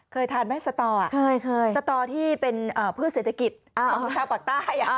เคยทานไหมสตอเคยสตอที่เป็นพืชเศรษฐกิจของชาวปากใต้